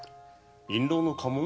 印籠の家紋？